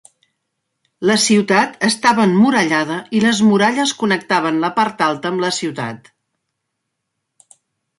La ciutat estava emmurallada i les muralles connectaven la part alta amb la ciutat.